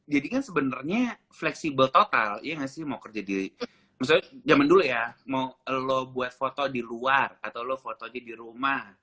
jadi kan sebenernya fleksibel total iya nggak sih mau kerja di misalnya zaman dulu ya mau lo buat foto di luar atau lo foto aja di rumah